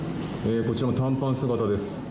こちらも短パン姿です。